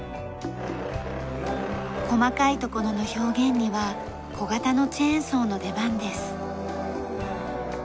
細かいところの表現には小型のチェーンソーの出番です。